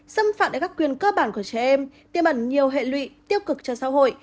xâm phạm đến các quyền cơ bản của trẻ em tiêm ẩn nhiều hệ lụy tiêu cực cho xã hội